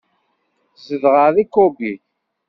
Zedɣeɣ di Kobe.